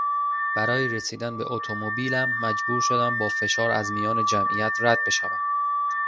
برای رسیدن به اتومبیلم مجبور شدم با فشار از میان جمعیت رد بشوم.